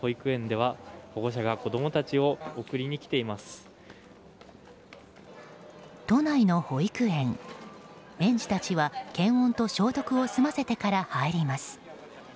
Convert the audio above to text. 園児たちは検温と消毒を済ませてから入ります。